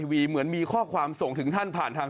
วิธีการแก้ไขได้ง่ายนอนนิดนึงนึงนิ่ง